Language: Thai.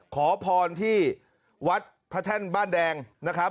ขอพรที่วัดพระแท่นบ้านแดงนะครับ